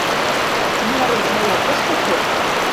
Марет моло кышкы кен?